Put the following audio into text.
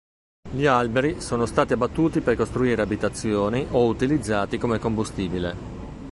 Gli alberi sono stati abbattuti per costruire abitazioni o utilizzati come combustibile.